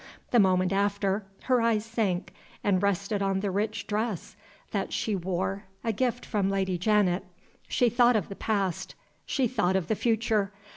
The moment after, her eyes sank, and rested on the rich dress that she wore a gift from Lady Janet. She thought of the past; she thought of the future.